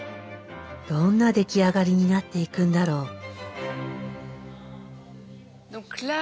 どんな出来上がりになっていくんだろう。